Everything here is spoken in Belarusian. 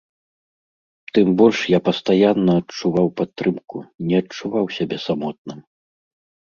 Тым больш я пастаянна адчуваў падтрымку, не адчуваў сябе самотным.